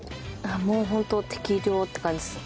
もうホント適量って感じですね。